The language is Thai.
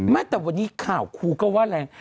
ไม่แต่วันนี้ข่าวครูก็ว่าแรง